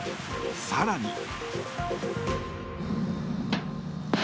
更に。